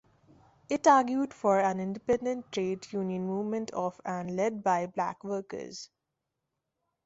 It argued for an independent trade union movement of and led by black workers.